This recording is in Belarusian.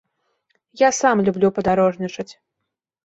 Я сам люблю падарожнічаць.